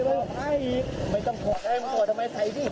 พร้อมให้เขารับรู้แล้วครับนั้นเรื่องที่